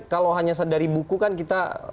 kalau hanya dari buku kan kita